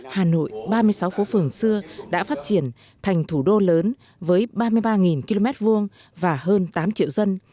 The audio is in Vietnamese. hà nội ba mươi sáu phố phường xưa đã phát triển thành thủ đô lớn với ba mươi ba km hai và hơn tám triệu dân